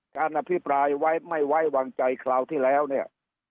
การอภิปรายไว้ไม่ไว้วางใจคราวที่แล้วเนี่ย